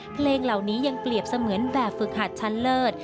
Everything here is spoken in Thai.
เพลงเหล่านี้ยังเปรียบเสมือนแบบฝึกหัดชั้นเลิศ